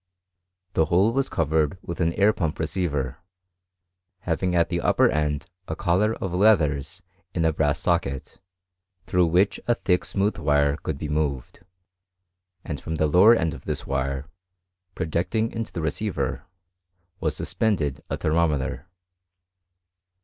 The ^^ole was covered with an air pump receiver, having ^t the upper end a collar of leathers in a brass socket, through which a thick smooth wire could be moved ; 5^nd from the lower end of this wire, projecting into the receiver, was suspended a thermometer.